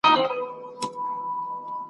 هر عمل یې د شیطان وي په خلوت کي ..